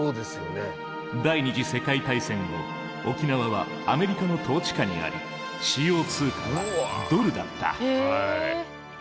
第２次世界大戦後沖縄はアメリカの統治下にあり使用通貨はドルだった。